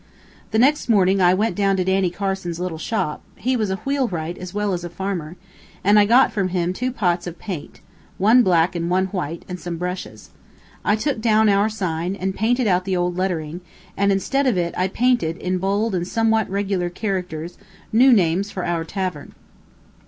The next morning I went down to Danny Carson's little shop, he was a wheelwright as well as a farmer, and I got from him two pots of paint one black and one white and some brushes. I took down our sign, and painted out the old lettering, and, instead of it, I painted, in bold and somewhat regular characters, new names for our tavern.